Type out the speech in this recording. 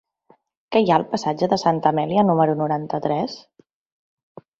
Què hi ha al passatge de Santa Amèlia número noranta-tres?